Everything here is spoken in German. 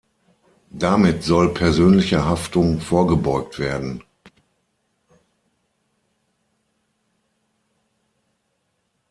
Damit soll persönlicher Haftung vorgebeugt werden.